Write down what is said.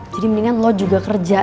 jadi mendingan lo juga kerja